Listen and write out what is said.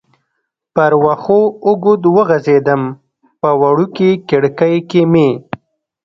پر وښو اوږد وغځېدم، په وړوکې کړکۍ کې مې.